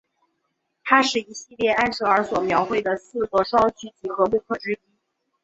它是一系列埃舍尔所描绘的四个双曲几何木刻之一。